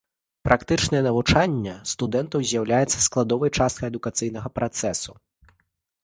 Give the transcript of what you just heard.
Практычнае навучанне студэнтаў з'яўляецца складовай часткай адукацыйнага працэсу.